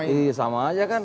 iya sama aja kan